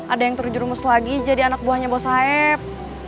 ada yang terjerumus lagi jadi anak buahnya bau saeb